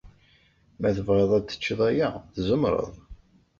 Ma tebɣiḍ ad teččeḍ aya, tzemreḍ.